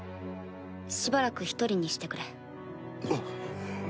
しばらく一人にしてくれ。